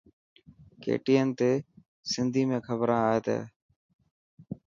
KTN تي سنڌي ۾ کبران ائي تي.